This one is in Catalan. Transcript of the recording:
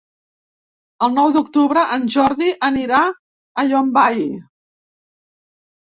El nou d'octubre en Jordi anirà a Llombai.